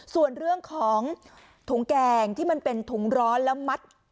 ส่วนเรื่องของถุงแกงที่มันเป็นถุงร้อนแล้วมัด